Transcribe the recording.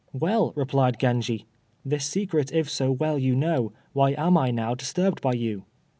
"Well," replied Genji, "This secret if so well you know, Why am I now disturbed by you?"